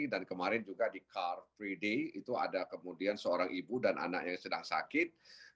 dan kemarin juga di car tiga d itu ada kemudian seorang ibu dan anak yang sedang sakit